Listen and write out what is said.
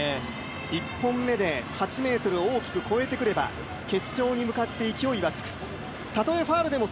１本目で８ｍを大きく超えてくれば決勝にむかって勢いはつく。